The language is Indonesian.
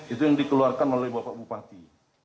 itu yang dikeluarkan oleh bapak bupati